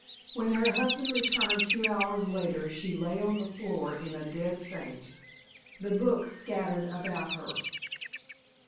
When her husband returned two hours later she lay on the floor in a dead faint, the books scattered about her.